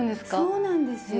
そうなんですよ。